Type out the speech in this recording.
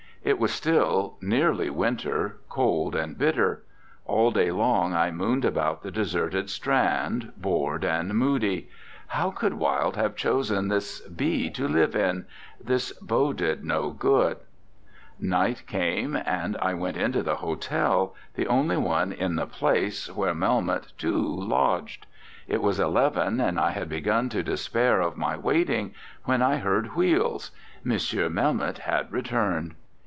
It was still nearly winter, cold and bitter. All day long I mooned about the deserted strand, bored and moody. How could Wilde have chosen this B to live in? This boded no good. Night came, and I went into the hotel, the only one in the place, where Mel 47 RECOLLECTIONS OF OSCAR WILDE moth, too, lodged. It was eleven, and I had begun to despair of my waiting, when I heard wheels. M. Melmoth had returned.